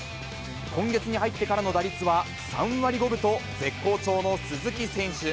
今月に入ってからの打率は３割５分と絶好調の鈴木選手。